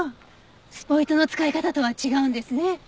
スポイトの使い方とは違うんですね。